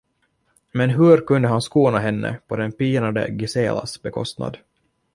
Men hur kunde han skona henne på den pinade Giselas bekostnad?